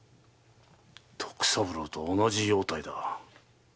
徳三郎と同じ容体だ。